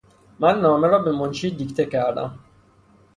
من نامه را به منشی دیکته کردم.